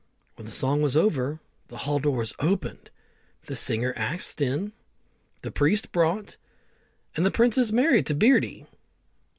When the song was over, the hall door was opened, the singer asked in, the priest brought, and the princess married to Beardy.